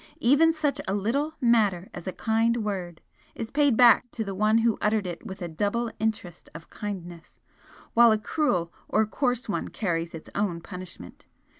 Even such a little matter as a kind word is paid back to the one who uttered it with a double interest of kindness, while a cruel or coarse one carries its own punishment.